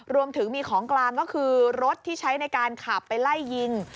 รวมถึงมีของกลางก็คือรถที่ใช้ในการขับไปไล่ยิง